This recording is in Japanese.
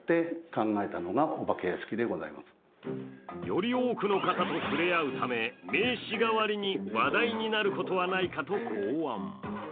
より多くの方と触れ合うため名刺代わりに話題になることはないかと考案。